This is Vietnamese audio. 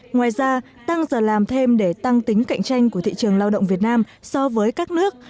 ngoài ra tăng giờ làm thêm để tăng tính cạnh tranh của thị trường lao động việt nam so với các nước